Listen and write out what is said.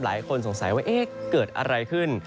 หลายคนสงสัยว่าเอ๊ะเกิดอะไรขึ้น